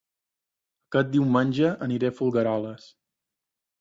Aquest diumenge aniré a Folgueroles